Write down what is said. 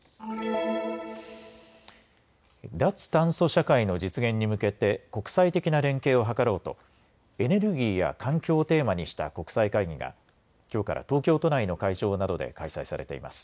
脱炭素社会の実現に向けて国際的な連携を図ろうとエネルギーや環境をテーマにした国際会議がきょうから東京都内の会場などで開催されています。